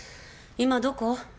今どこ？